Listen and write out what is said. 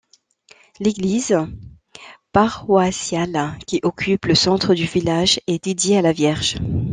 L'église paroissiale, qui occupe le centre du village, est dédiée à la Vierge.